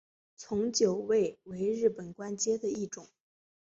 从九位为日本官阶的一种。